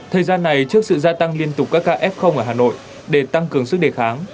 thời gian này trước sự gia tăng liên tục các ca f ở hà nội để tăng cường sức đề kháng